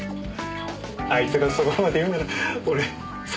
あいつがそこまで言うなら俺逆らえないし。